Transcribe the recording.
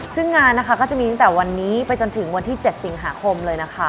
ซึ่งงานนะคะก็จะมีตั้งแต่วันนี้ไปจนถึงวันที่๗สิงหาคมเลยนะคะ